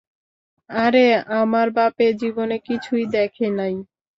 আরে আমার বাপে জীবনে কিছুই দেখে নাই।